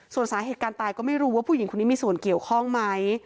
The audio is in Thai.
ส่วนสาเหตุการณ์ตายก็ไม่รู้ว่าผู้หญิงคนนี้มีส่วนเกี่ยวข้องไหม